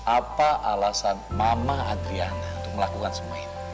apa alasan mama adriana untuk melakukan semua ini